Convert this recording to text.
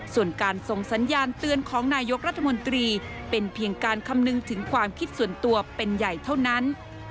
ส่วนการส่งสัญญาณเตือนของนายกรัฐมนตรีเป็นเพียงการคำนึงถึงความคิดส่วนตัวเป็นใหญ่เท่านั้น